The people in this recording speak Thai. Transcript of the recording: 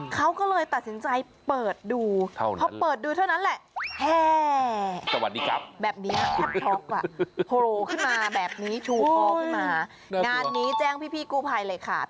เขาก็เลยตัดสินใจเปิดดูเพราะว่าเปิดดูเท่านั้นแหละ